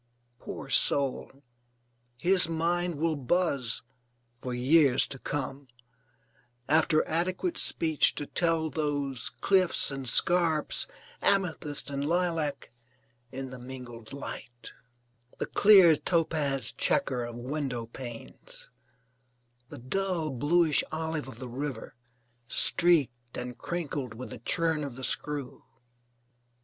Poor soul, his mind will buzz (for years to come) after adequate speech to tell those cliffs and scarps, amethyst and lilac in the mingled light; the clear topaz chequer of window panes; the dull bluish olive of the river, streaked and crinkled with the churn of the screw!